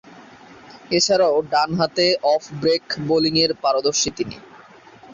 এছাড়াও, ডানহাতে অফ-ব্রেক বোলিংয়ে পারদর্শী তিনি।